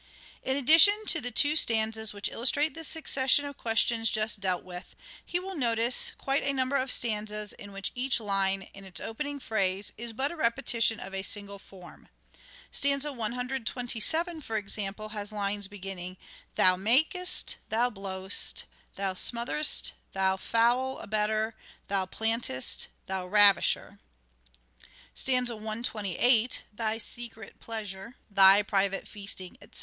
In addition to the two stanzas which illustrate the succession of questions just dealt with, he will notice quite a number of stanzas in which each line, in its opening phrase, is but the repetition of a single form. Stanza 127, for example, has lines beginning :— "Thou makest," "Thou blow'st," "Thou smother'st," "Thou foul abettor," "Thou plantest," " Thou ravisher." 190 " SHAKESPEARE " IDENTIFIED Stanza 128 :—" Thy secret pleasure," " Thy private feasting," etc.